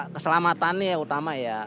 keselamatannya yang utama ya